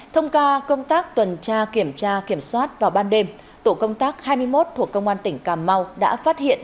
thông ca công tác tuần tra kiểm tra kiểm soát vào ban đêm tổ công tác hai mươi một thuộc công an tỉnh cà mau đã phát hiện